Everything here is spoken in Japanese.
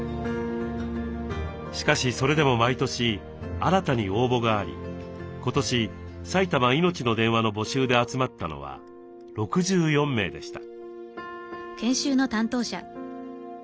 しかしそれでも毎年新たに応募があり今年「埼玉いのちの電話」の募集で集まったのは６４名でした。